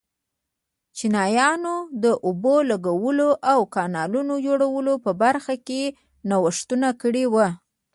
چینایانو د اوبو لګولو او کانالونو جوړولو په برخه کې نوښتونه کړي وو.